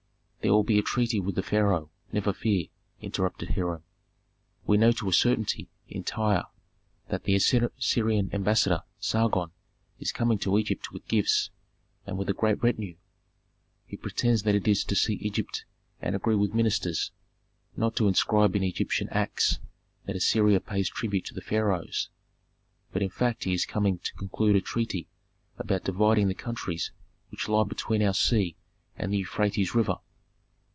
"There will be a treaty with the pharaoh, never fear!" interrupted Hiram. "We know to a certainty in Tyre that the Assyrian ambassador Sargon is coming to Egypt with gifts and with a great retinue. He pretends that it is to see Egypt and agree with ministers, not to inscribe in Egyptian acts that Assyria pays tribute to the pharaohs. But in fact he is coming to conclude a treaty about dividing the countries which lie between our sea and the Euphrates River."